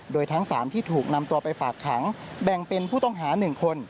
โดยทั้ง๓ที่ถูกนำตัวไปฝากขังแบ่งเป็นผู้ต้องหา๑คน